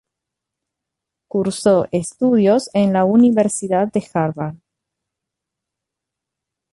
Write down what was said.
Cursó estudios en la Universidad de Harvard.